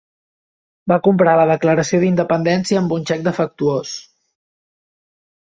Va comparar la declaració d'independència amb un xec defectuós.